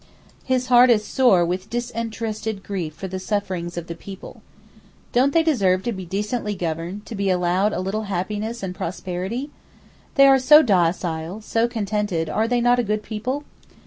His heart is sore with disinterested grief for the sufferings of the people. 'Don't they deserve to be decently governed, to be allowed a little happiness and prosperity? They are so docile, so contented; are they not a good people?